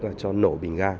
là cho nổ bình ra